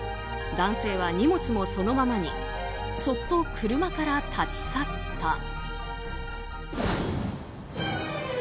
男性は荷物もそのままにそっと車から立ち去った。